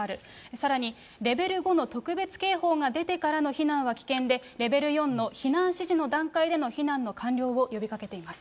さらに、レベル５の特別警報が出てからの避難は危険で、レベル４の避難指示の段階での避難の完了を呼びかけています。